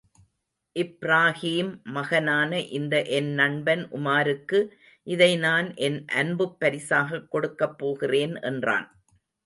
இப்ராஹீம் மகனான இந்த என் நண்பன் உமாருக்கு இதை நான் என் அன்புப் பரிசாகக் கொடுக்கப் போகிறேன் என்றான்.